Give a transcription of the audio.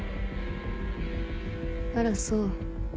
あらそう。